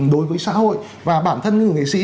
đối với xã hội và bản thân ngư nghệ sĩ